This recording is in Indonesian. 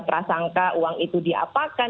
prasangka uang itu diapakan